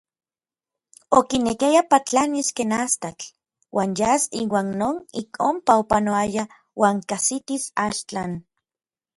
Okinekiaya patlanis ken astatl uan yas inuan non ik onpa opanoayaj uan kajsitis Astlan.